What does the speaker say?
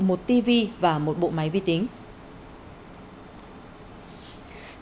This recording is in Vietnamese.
một tv và một bộ máy vi tính